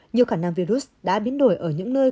nhiều khả năng virus đã biến đổi ở những nơi